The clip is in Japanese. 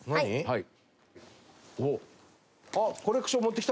はい。